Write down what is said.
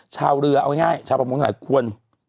ชาวเรือเอาง่ายชาวประมงหลายคน